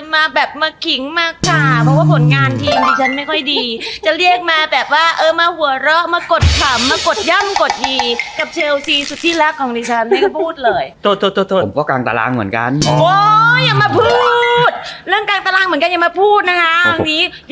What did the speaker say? เมอร์นี่อยากบอกในคำถามทั้งหมด